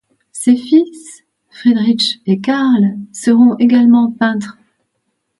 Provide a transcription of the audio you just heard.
Ses fils Friedrich et Carl seront également peintres.